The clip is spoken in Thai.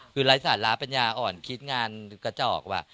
คือไร้สาระปัญญาอ่อนคิดงานกระจอกว่ะ